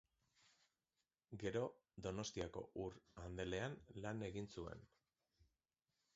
Gero, Donostiako ur-andelean lan egin zuen.